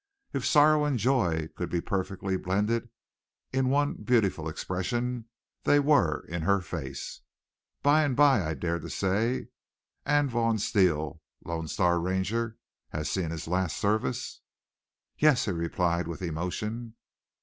If sorrow and joy could be perfectly blended in one beautiful expression, they were in her face. By and by I dared to say: "And Vaughn Steele, Lone Star Ranger, has seen his last service!" "Yes," he replied with emotion.